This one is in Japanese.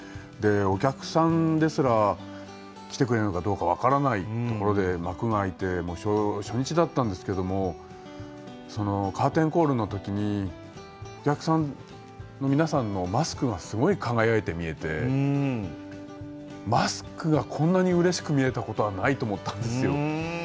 お客さんですら来てくれるのかどうか分からないところで幕が開いて初日だったんですけどもカーテンコールの時にお客さんの皆さんのマスクがすごい輝いて見えてマスクがこんなにうれしく見えたことはないと思ったんですよ。